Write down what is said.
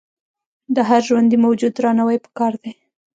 د هر ژوندي موجود درناوی پکار دی.